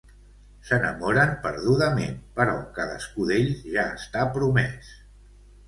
S'enamoren perdudament, però cadascú d'ells ja està promès.